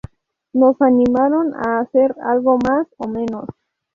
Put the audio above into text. Nos animaron a hacer algo más o menos.